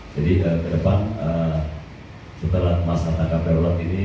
jadi ke depan setelah masyarakat kabarulat ini